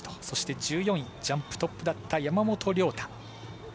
そして１４位ジャンプトップだった山本涼太。